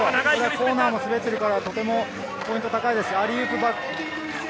コーナーも滑っているから、ポイント高いです。